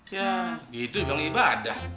ya gitu yang ibadah